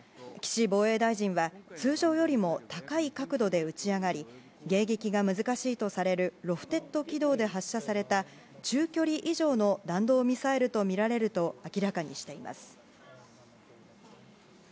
岸防衛大臣は通常よりも高い角度で撃ち上がり迎撃が難しいとされるロフテッド軌道で発射された中距離以上の弾道ミサイルとみられることを